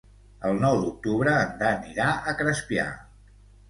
El nou d'octubre en Dan irà a Crespià.